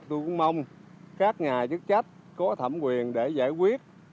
tôi cũng mong các nhà chức trách có thẩm quyền để giải quyết